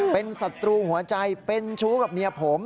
เป็นศัตรูหัวใจเป็นชู้กับเมียผม